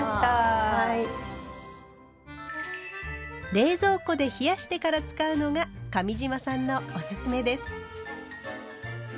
冷蔵庫で冷やしてから使うのが上島さんのオススメです。